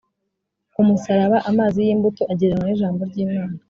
ku musaraba Amazi y imbuto agereranywa n ijambo ry imana